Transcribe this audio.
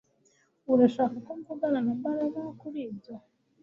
Urashaka ko mvugana na Mbaraga kuri ibyo